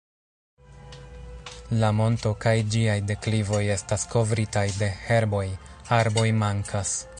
La monto kaj ĝiaj deklivoj estas kovritaj de herboj, arboj mankas.